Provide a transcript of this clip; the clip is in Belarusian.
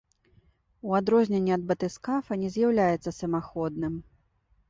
У адрозненне ад батыскафа не з'яўляецца самаходным.